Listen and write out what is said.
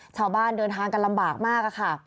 ชาวบ้านเดินทางกันลำบากมากค่ะ